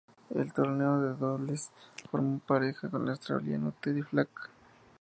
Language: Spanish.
En el torneo de dobles, formó pareja con el australiano Teddy Flack.